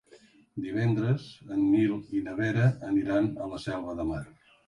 Divendres en Nil i na Vera aniran a la Selva de Mar.